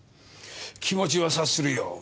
気持ちは察するよ。